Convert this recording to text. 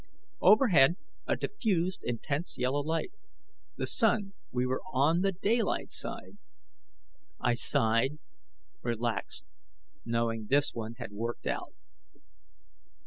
Overhead, a diffused, intense yellow light. The sun we were on the daylight side. I sighed, relaxed, knowing this one had worked out.